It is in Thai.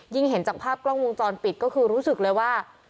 เห็นจากภาพกล้องวงจรปิดก็คือรู้สึกเลยว่า